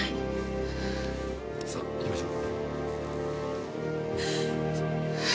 さあ行きましょう。